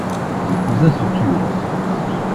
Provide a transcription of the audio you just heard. Les cousins se turent.